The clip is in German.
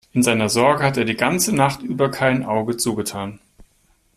In seiner Sorge hat er die ganze Nacht über kein Auge zugetan.